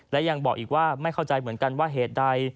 และยังบอกอีกว่าไม่เข้าใจเหมือนกันว่าเหตุใด